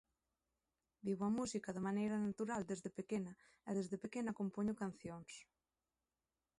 Vivo a música de maneira natural desde pequena e desde pequena compoño cancións.